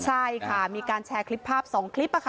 ใช่ค่ะมีการแชร์คลิปภาพ๒คลิป